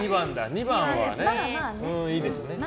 ２番はいいですね。